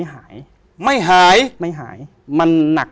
อยากให้ข่าวทางนี้